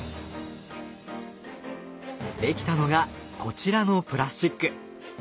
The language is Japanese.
出来たのがこちらのプラスチック。